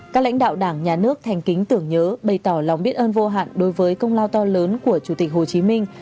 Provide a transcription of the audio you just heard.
các lãnh đạo đảng nhà nước thành kính tưởng nhớ bày tỏ lòng biết ơn vô hạn đối với công lao to lớn của chủ tịch hồ chí minh